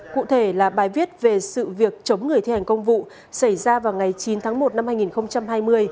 cụ thể là bài viết về sự việc chống người thi hành công vụ xảy ra vào ngày chín tháng một năm hai nghìn hai mươi